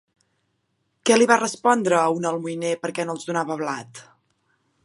Què li va respondre a un almoiner perquè no els donava blat?